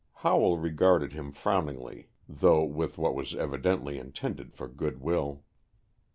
Howell regarded him frowningly though with what was evidently intended for good will.